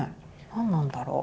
何なんだろう。